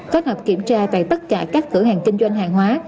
kết hợp kiểm tra tại tất cả các cửa hàng kinh doanh hàng hóa